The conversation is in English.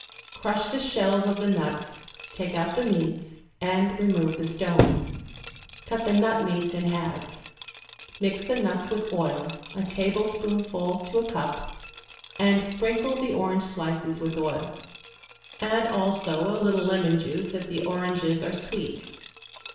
Crush the shells of the nuts, take out the meats, and remove the stones; cut the nut meats in halves. Mix the nuts with oil, a tablespoonful to a cup, and sprinkle the orange slices with oil; add also a little lemon juice if the oranges are sweet.